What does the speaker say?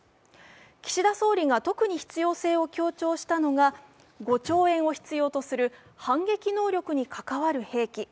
岸田総理が特に必要性を強調したのは５兆円を必要とする反撃能力にかかわる兵器。